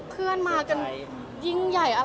เพื่อนมากันยิ่งใหญ่อลังกาย